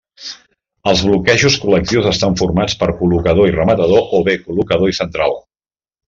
Els bloquejos col·lectius estan formats per col·locador i rematador o bé col·locador i central.